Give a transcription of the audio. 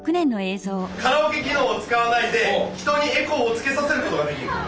カラオケ機能を使わないで人にエコーをつけさせることができる。